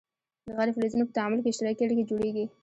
د غیر فلزونو په تعامل کې اشتراکي اړیکې جوړیږي.